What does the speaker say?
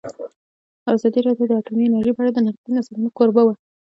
ازادي راډیو د اټومي انرژي په اړه د نقدي نظرونو کوربه وه.